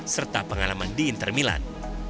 serta pengalaman di inter milan